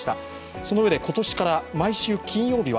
そのうえで今年から毎週金曜日は